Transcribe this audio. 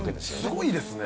すごいですね。